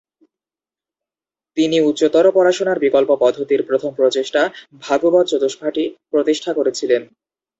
তিনি উচ্চতর পড়াশোনার বিকল্প পদ্ধতির প্রথম প্রচেষ্টা, ভাগবত চতুষ্পাঠী, প্রতিষ্ঠা করেছিলেন।